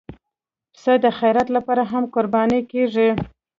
پسه د خیرات لپاره هم قرباني کېږي.